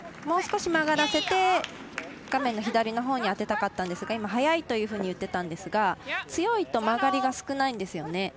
もう少し曲がらせて画面の左のほうに当てたかったんですが速いというふうに言ってたんですが強いと曲がりが少ないんですよね。